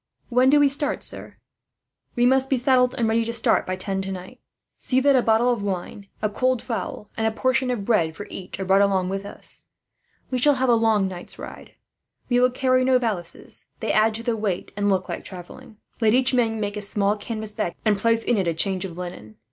"When do we start, sir?" "We must be saddled, and ready to start, by ten tonight. See that a bottle of wine, a cold fowl, and a portion of bread for each are brought along with us. We shall have a long night's ride. "We will carry no valises. They add to the weight, and look like travelling. Let each man make a small canvas bag, and place in it a change of linen.